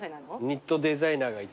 ニットデザイナーが。